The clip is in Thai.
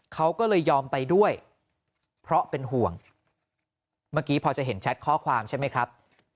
เขาก็เลยยอมไปด้วยเพราะเป็นห่วงเมื่อกี้พอจะเห็นแชทข้อความใช่ไหมครับ